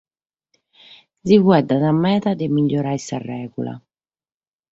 Si faeddat meda de megiorare sa règula.